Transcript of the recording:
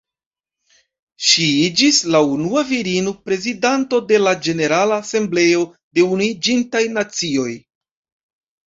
Ŝi iĝis la unua virino prezidanto de la Ĝenerala Asembleo de Unuiĝintaj Nacioj.